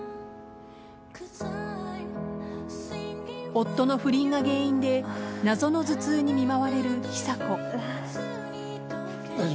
夫の不倫が原因で謎の頭痛に見舞われる慈子。